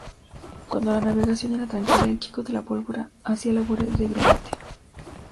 Cuando la navegación era tranquila, el chico de la pólvora hacía labores de grumete.